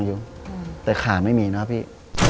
อยู่แต่ขาไม่มีนะพี่